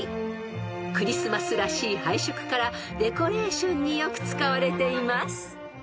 ［クリスマスらしい配色からデコレーションによく使われています］